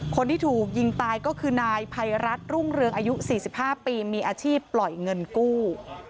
คนที่ถูกยิงตายก็คือนายภัยรัฐรุ่งเรืองอายุ๔๕ปีมีอาชีพปล่อยเงินกู้